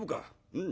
うん。